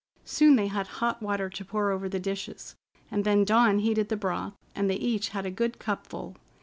Soon they had hot water to pour over the dishes, and then Dawn heated the broth, and they each had a good cupful.